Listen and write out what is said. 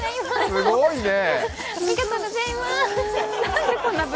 すごいね。